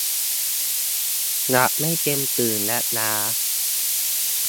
หลับไม่เต็มตื่น และล้า